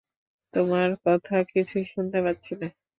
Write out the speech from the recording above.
তোমার কথা কিছুই শুনতে পাচ্ছি না।